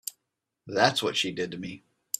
That's what she did to me.